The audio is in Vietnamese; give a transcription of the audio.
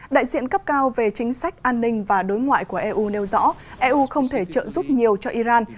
đại diện cấp cao về chính sách an ninh và đối ngoại của eu nêu rõ eu không thể trợ giúp nhiều cho iran